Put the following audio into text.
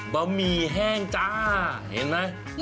บะหมี่แห้งจ้าเห็นไหม